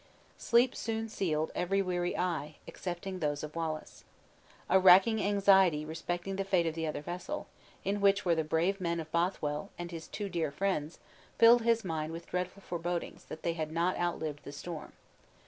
Sleep soon sealed every weary eye, excepting those of Wallace. A racking anxiety respecting the fate of the other vessel, in which were the brave men of Bothwell, and his two dear friends, filled his mind with dreadful forebodings that they had not outlived the storm.